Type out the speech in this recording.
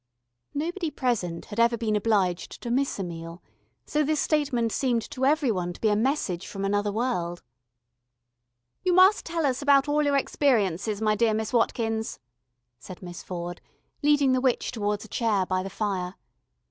Nobody present had ever been obliged to miss a meal, so this statement seemed to every one to be a message from another world. "You must tell us about all your experiences, my dear Miss Watkins," said Miss Ford, leading the witch towards a chair by the fire.